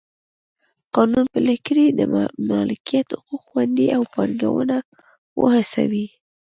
قانون پلی کړي د مالکیت حقوق خوندي او پانګونه وهڅوي.